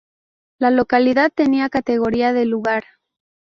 La localidad tenía categoría de lugar.